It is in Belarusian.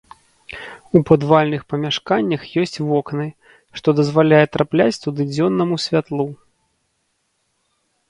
У падвальных памяшканнях ёсць вокны, што дазваляе трапляць туды дзённаму святлу.